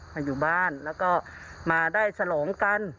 มาอยู่บ้านแล้วก็มาได้ฉลองกัน